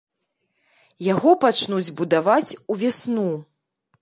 Яго пачнуць будаваць увесну.